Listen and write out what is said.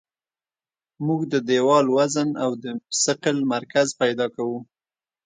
موږ د دیوال وزن او د ثقل مرکز پیدا کوو